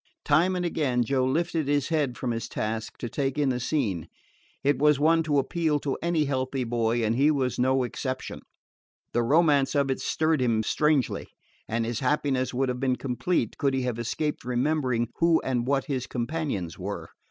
Time and again Joe lifted his head from his task to take in the scene. It was one to appeal to any healthy boy, and he was no exception. The romance of it stirred him strangely, and his happiness would have been complete could he have escaped remembering who and what his companions were.